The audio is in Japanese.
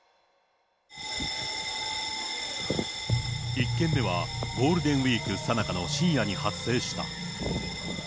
１件目はゴールデンウィークさなかの深夜に発生した。